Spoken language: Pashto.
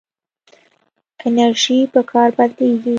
انرژي په کار بدلېږي.